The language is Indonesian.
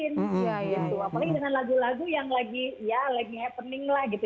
apalagi dengan lagu lagu yang lagi happening lah gitu